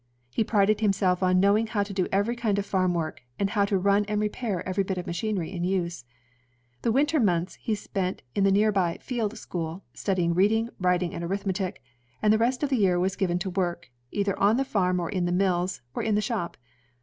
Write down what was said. He prided himself on knowing how to do every kind of farm work, and how to run and repair every bit of machinery in use. The winter months he spent in the near by '^ Field School," stud3dng reading, writing, and arithmetic, and the rest of the year was given to work, either on the farm, in the mills, or in the shop.